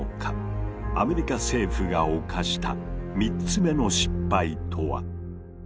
アメリカ政府が犯した３つ目の失敗とは？